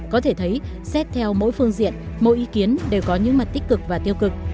có thể thấy xét theo mỗi phương diện mỗi ý kiến đều có những mặt tích cực và tiêu cực